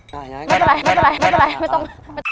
ไม่เป็นไรไม่ต้อง